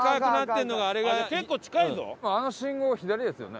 あの信号を左ですよね？